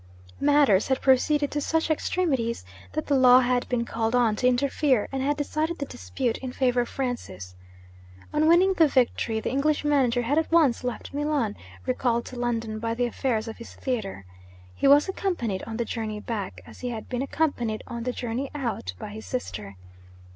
Matters had proceeded to such extremities, that the law had been called on to interfere, and had decided the dispute in favour of Francis. On winning the victory the English manager had at once left Milan, recalled to London by the affairs of his theatre. He was accompanied on the journey back, as he had been accompanied on the journey out, by his sister.